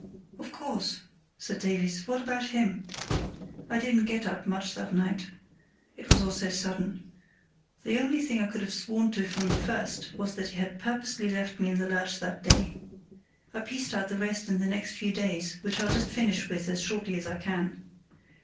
"Of course," said Davies, "what about him? I didn't get at much that night. It was all so sudden. The only thing I could have sworn to from the first was that he had purposely left me in the lurch that day. I pieced out the rest in the next few days, which I'll just finish with as shortly as I can.